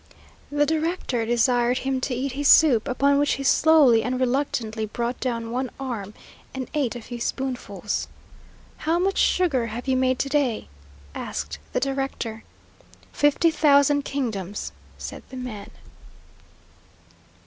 The director desired him to eat his soup, upon which he slowly and reluctantly brought down one arm, and ate a few spoonfuls. "How much sugar have you made to day?" asked the director. "Fifty thousand kingdoms!" said the man.